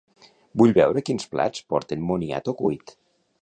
Vull veure quins plats porten moniato cuit.